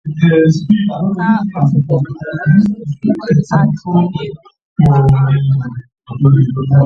Ka O mechara nkeji atọ egwu ọkpa ahụ malitere